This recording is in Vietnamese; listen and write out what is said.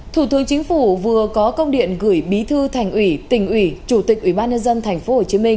thủ tướng chính phủ vừa có công điện gửi bí thư thành ủy tỉnh ủy chủ tịch ủy ban nhân dân tp hcm